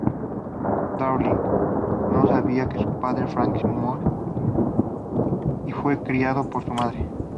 Darling, no sabía que su padre, Frank Moss, y fue criado por su madre.